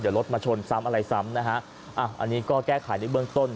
เดี๋ยวรถมาชนซ้ำอะไรซ้ำนะฮะอ่ะอันนี้ก็แก้ไขในเบื้องต้น